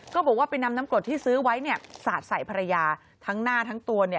บอกว่าไปนำน้ำกรดที่ซื้อไว้สาดใส่ภรรยาทั้งหน้าทั้งตัว